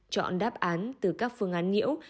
chọn đáp án từ các phương án nhiễu